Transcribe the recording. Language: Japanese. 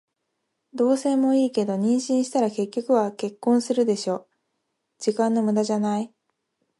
同棲もいいけど、妊娠したら結局は結婚するでしょ。時間の無駄じゃない？